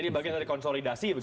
jadi bagian dari konsolidasi begitu